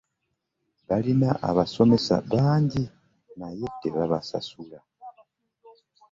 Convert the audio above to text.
Balina abasomesa bangi naye tebabasasula.